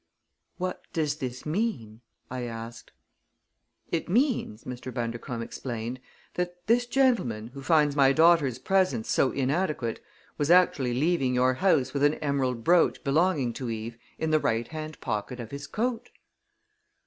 "What does this mean?" I asked. "It means," Mr. Bundercombe explained, "that this gentleman, who finds my daughter's presents so inadequate, was actually leaving your house with an emerald brooch belonging to Eve in the righthand pocket of his coat!"